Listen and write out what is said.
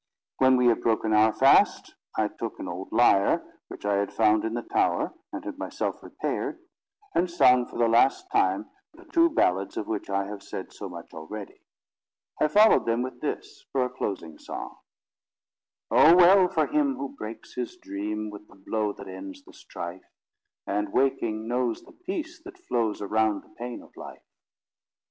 When we had broken our fast, I took an old lyre, which I had found in the tower and had myself repaired, and sung for the last time the two ballads of which I have said so much already. I followed them with this, for a closing song: Oh, well for him who breaks his dream With the blow that ends the strife And, waking, knows the peace that flows Around the pain of life!